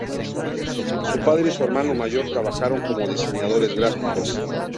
Su padre y su hermano mayor trabajaron como diseñadores gráficos.